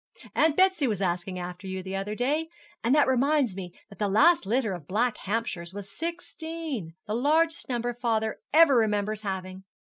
"Aunt Betsy was asking after you the other day: and that reminds me that the last litter of black Hampshires was sixteen the largest number father ever remembers having.